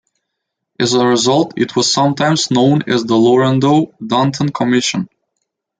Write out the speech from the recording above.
As a result, it was sometimes known as the Laurendeau-Dunton commission.